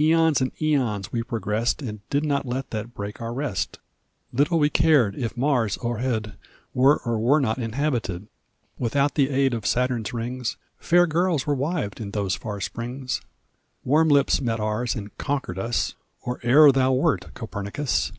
AEons and aeons we progressed And did not let that break our rest; Little we cared if Mars o'erhead Were or were not inhabited; Without the aid of Saturn's rings Fair girls were wived in those far springs; Warm lips met ours and conquered us Or ere thou wert, Copernicus!